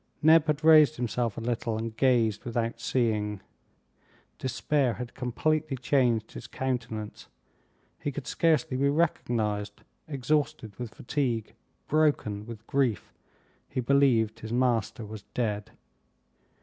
Neb had raised himself a little and gazed without seeing. Despair had completely changed his countenance. He could scarcely be recognized, exhausted with fatigue, broken with grief. He believed his master was dead.